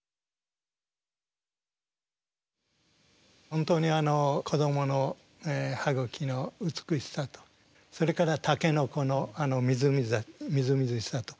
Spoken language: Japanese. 本当に子どもの歯ぐきの美しさとそれから竹の子のみずみずしさと。